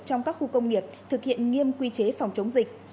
trong các khu công nghiệp thực hiện nghiêm quy chế phòng chống dịch